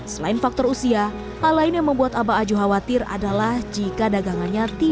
selain faktor usaha berapa banyak yang terjadi